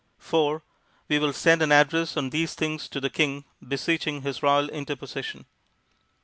4. We will send an address on these things to the King beseeching his royal interposition.